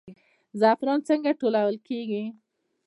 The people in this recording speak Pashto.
زعفران څنګه ټولول کیږي؟